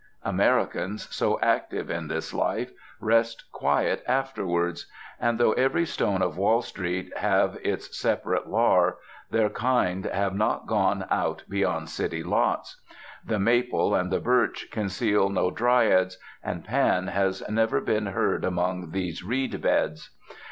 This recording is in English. Americans, so active in this life, rest quiet afterwards. And though every stone of Wall Street have its separate Lar, their kind have not gone out beyond city lots. The maple and the birch conceal no dryads, and Pan has never been heard amongst these reedbeds.